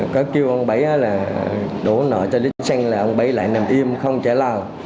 có kêu ông bảy là đổ nợ cho lịch sinh là ông bảy lại nằm im không trả lao